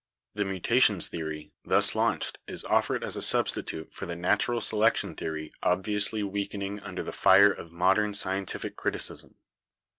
"The mutations theory thus launcned is offered as a substitute for the natural selection theory obviously weak ening under the fire of modern scientific criticism.